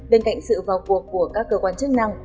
bên cạnh sự vào cuộc của các cơ quan chức năng